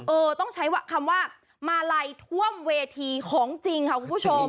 ต้องใช้คำว่ามาลัยท่วมเวทีของจริงค่ะคุณผู้ชม